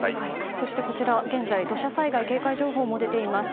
そして、現在土砂災害警戒情報も出ています。